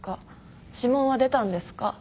指紋は出たんですか？